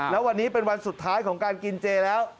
แล้ววันนี้เป็นวันสุดท้ายของการกินเจแล้ว